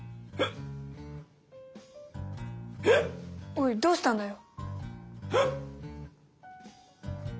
おいどうしたんだよ？